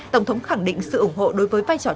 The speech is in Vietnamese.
tổng thống khẳng định sự ủng hộ đối với vai trò